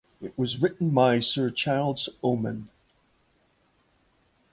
It was written by Sir Charles Oman.